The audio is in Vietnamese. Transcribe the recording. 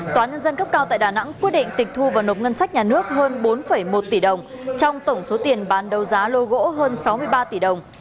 tòa nhân dân cấp cao tại đà nẵng quyết định tịch thu và nộp ngân sách nhà nước hơn bốn một tỷ đồng trong tổng số tiền bán đấu giá lô gỗ hơn sáu mươi ba tỷ đồng